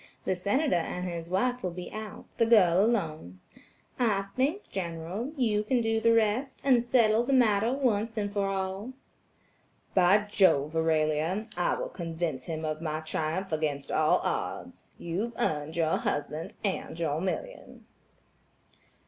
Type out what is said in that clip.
The Senator and his wife will be out, the girl alone. I think, General, you can do the rest, and settle the matter once for all." "By jove, Aurelia, I will convince him of my triumph against all odds. You've earned your husband and your million."